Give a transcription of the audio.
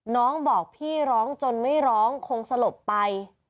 น้องบอกพี่ร้องจนไม่ร้องคงสลบไป